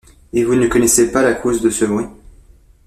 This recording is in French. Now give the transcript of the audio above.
Et vous ne connaissez pas la cause de ce bruit?